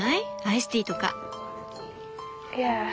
アイスティーとか。